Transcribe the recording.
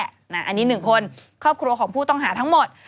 อันนี้๑คนครอบครัวของผู้ต้องหาทั้งหมด